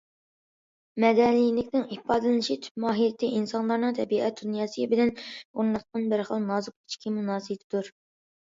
مەدەنىيلىكنىڭ ئىپادىلىنىشى تۈپ ماھىيەتتە ئىنسانلارنىڭ تەبىئەت دۇنياسى بىلەن ئورناتقان بىر خىل نازۇك ئىچكى مۇناسىۋىتىدۇر.